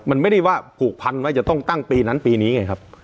มันไม่ได้ว่าผูกพันว่าจะต้องตั้งปีนั้นปีนี้ไงครับ